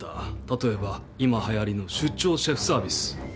例えば今はやりの出張シェフサービス。